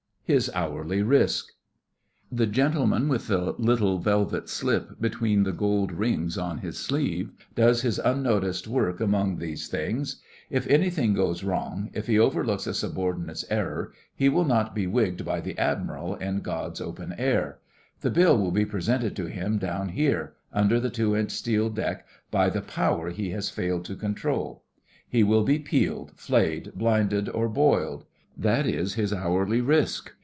HIS HOURLY RISK The gentleman with the little velvet slip between the gold rings on his sleeve does his unnoticed work among these things. If anything goes wrong, if he overlooks a subordinate's error, he will not be wigged by the Admiral in God's open air. The bill will be presented to him down here, under the two inch steel deck, by the Power he has failed to control. He will be peeled, flayed, blinded, or boiled. That is his hourly risk.